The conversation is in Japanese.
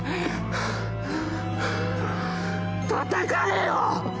戦えよ！